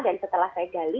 dan setelah saya gali